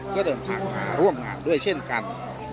ก็เดินทางมาร่วมงานด้วยเช่นกัน